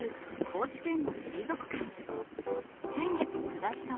高知県の水族館。